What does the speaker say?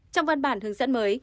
trong văn bản hướng dẫn mới